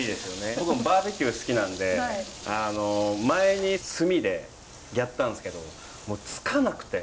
僕もバーベキュー好きなので前に炭でやったんですけどもうつかなくて！